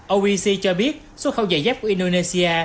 oec cho biết xuất khẩu dày dép của indonesia